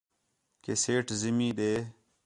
کہ سیٹھ زمین ݙے